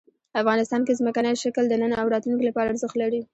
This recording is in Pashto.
افغانستان کې ځمکنی شکل د نن او راتلونکي لپاره ارزښت لري.